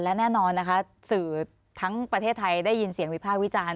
และแน่นอนนะคะสื่อทั้งประเทศไทยได้ยินเสียงวิภาควิจารณ์